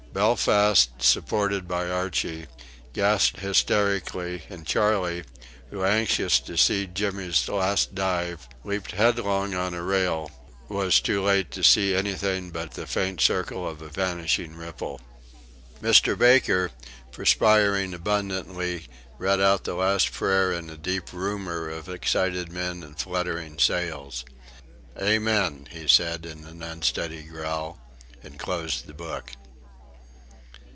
Belfast, supported by Archie, gasped hysterically; and Charley, who anxious to see Jimmy's last dive, leaped headlong on the rail, was too late to see anything but the faint circle of a vanishing ripple. Mr. Baker, perspiring abundantly, read out the last prayer in a deep rumour of excited men and fluttering sails. "Amen!" he said in an unsteady growl, and closed the book.